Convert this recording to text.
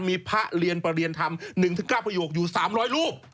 มีพระเรียนประเรียนธรรม๑๙ประโยคอยู่๓๐๐รูป